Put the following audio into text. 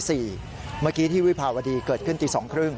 เมื่อกี้ที่วิภาวดีเกิดขึ้นตี๒๓๐